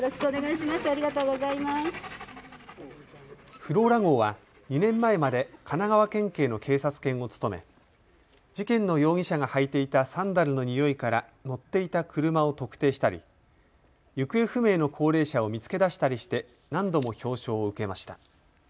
フローラ号は２年前まで神奈川県警の警察犬を務め事件の容疑者が履いていたサンダルのにおいから乗っていた車を特定したり行方不明の高齢者を見つけ出したりして何度も表彰を受けました。